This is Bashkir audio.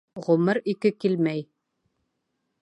Ғүмер ике килмәй.